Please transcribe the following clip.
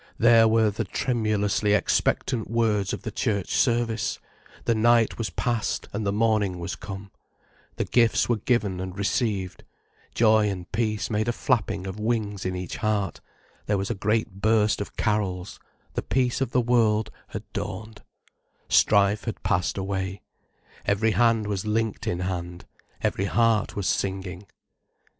There were the tremulously expectant words of the church service, the night was past and the morning was come, the gifts were given and received, joy and peace made a flapping of wings in each heart, there was a great burst of carols, the Peace of the World had dawned, strife had passed away, every hand was linked in hand, every heart was singing.